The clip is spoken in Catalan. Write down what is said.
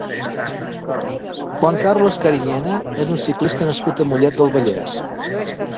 Juan Carlos Cariñena és un ciclista nascut a Mollet del Vallès.